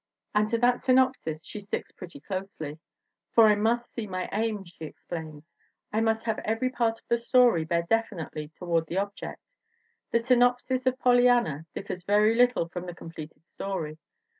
And to that synopsis she sticks pretty closely. "For I must see my aim," she explains, "I must have every part of the story bear definitely toward the object. The synopsis of Pollyanna differs very little from the completed story.